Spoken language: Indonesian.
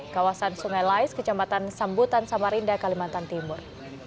kawasan sungai lais kecamatan sambutan samarinda kalimantan timur